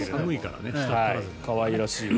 可愛らしい。